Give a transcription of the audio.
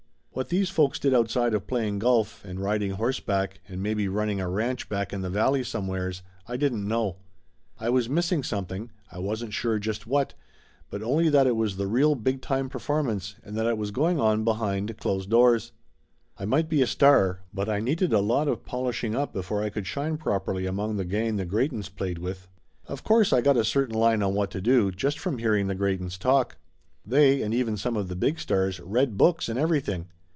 What these folks did outside of playing golf and riding horse back, and maybe running a ranch back in the valley somewheres, I didn't know. I was missing something, I wasn't sure just what, but only that it was the real big time performance and that it was going on behind closed doors. I might be a star, but I needed a lot of polishing up before I could shine properly among the gang the Greytons played with. Of course I got a certain line on what to do, just from hearing the Greytons talk. They, and even some of the big stars, read books and everything.